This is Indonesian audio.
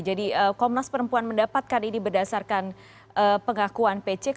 jadi komnas perempuan mendapatkan ini berdasarkan pengakuan pc